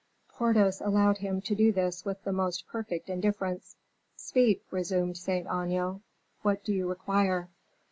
Porthos allowed him to do this with the most perfect indifference. "Speak," resumed Saint Aignan, "what do you require?"